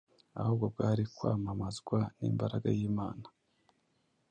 ahubwo bwari kwamamazwa n’imbaraga y’Imana.